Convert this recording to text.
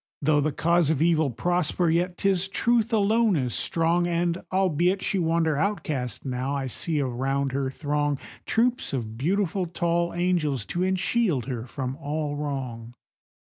Though the cause of Evil prosper, yet 'tis Truth alone is strong, And, albeit she wander outcast now, I see around her throng Troops of beautiful, tall angels, to enshield her from all wrong.